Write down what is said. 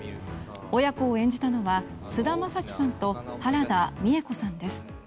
親子を演じたのは菅田将暉さんと原田美枝子さんです。